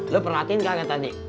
lu perlatiin gak kata tini